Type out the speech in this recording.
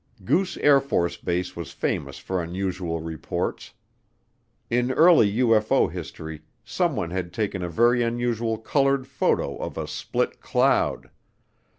Goose AFB was famous for unusual reports. In early UFO history someone had taken a very unusual colored photo of a "split cloud."